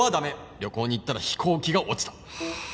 旅行に行ったら飛行機が落ちたはあ。